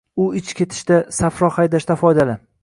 U ich ketishda, safro haydashda foydali.